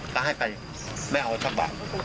แต่ว่าให้ไปไม่เอาสักวัน